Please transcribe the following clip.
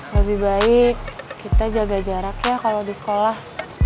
lebih baik kita jaga jaraknya kalo di sekolah